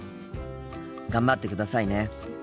頑張ってくださいね。